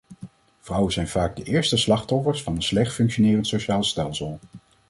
Vrouwen zijn vaak de eerste slachtoffers van een slecht functionerend sociaal stelsel.